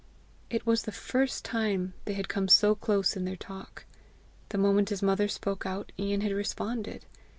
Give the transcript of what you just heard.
It was the first time they had come so close in their talk. The moment his mother spoke out, Ian had responded.